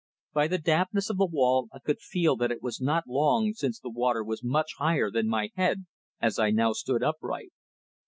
By the dampness of the wall I could feel that it was not long since the water was much higher than my head, as I now stood upright.